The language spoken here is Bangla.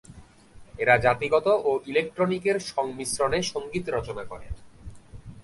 এরা জাতিগত ও ইলেকট্রনিক এর সংমিশ্রণে সঙ্গীত রচনা করেন।